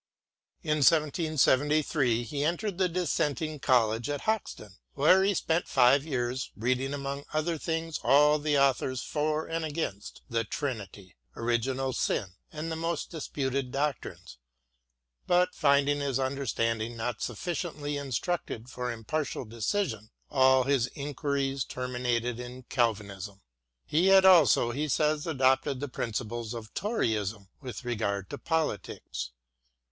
In 1773 he entered the Dissenting College at Hoxton, where he spent five years, reading among other things all the authors for and against the Trinity, original sin, and the most disputed doctrines ; but, finding his understanding not sufficiently in structed for impartial decision, all his inquiries terminated in Calvinism. He had also, he says, adopted the principles of Toryism with regard to politics.